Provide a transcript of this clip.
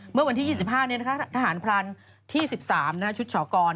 เมื่อวันที่๒๕ทหารพรานที่๑๓ชุดชอกร